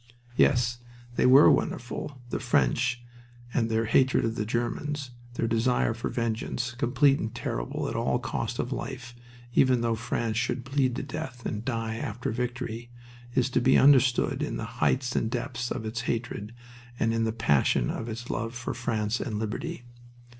Yes, they were wonderful, the French, and their hatred of the Germans, their desire for vengeance, complete and terrible, at all cost of life, even though France should bleed to death and die after victory, is to be understood in the heights and depths of its hatred and in the passion of its love for France and liberty.